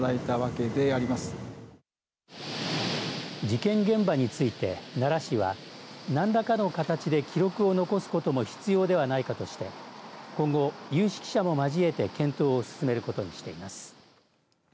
事件現場について奈良市は何らかの形で記録を残すことも必要ではないかとして今後、有識者も交えて検討を進めることにしています。